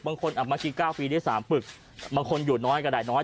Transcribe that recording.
เมื่อกี้๙ปีได้๓ปึกบางคนอยู่น้อยก็ได้น้อย